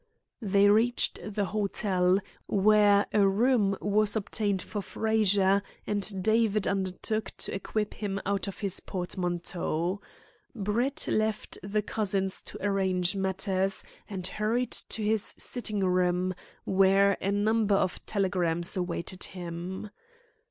They reached the hotel, where a room was obtained for Frazer, and David undertook to equip him out of his portmanteau. Brett left the cousins to arrange matters, and hurried to his sitting room, where a number of telegrams awaited him.